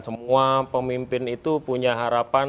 semua pemimpin itu punya harapan